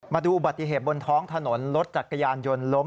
มาดูอุบัติเหตุบนท้องถนนรถจักรยานยนต์ล้ม